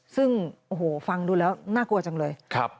ซึ่งโอ้โหฟังดูแล้วน่ากลัวจังเลย